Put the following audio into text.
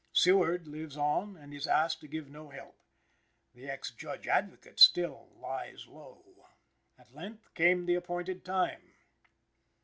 Seward lives on and is asked to give no help. The ex Judge Advocate still lies low. At length came the appointed time.